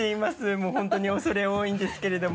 もう本当に恐れ多いんですけれども。